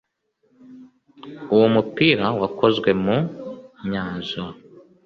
Uwo mupira wakozwe mu mpu nyazo